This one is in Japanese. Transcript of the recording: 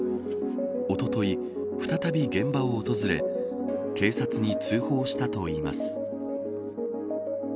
おととい、再び現場を訪れ警察に通報したといいます。